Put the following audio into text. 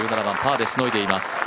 １７番、パーでしのいでいます。